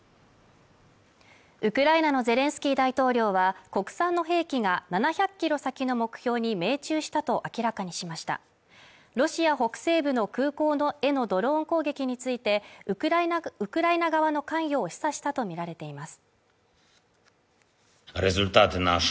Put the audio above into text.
ウクライナのゼレンスキー大統領は国産の兵器が７００キロ先の目標に命中したと明らかにしましたロシア北西部の空港へのドローン攻撃についてウクライナ側の関与を示唆したとみられています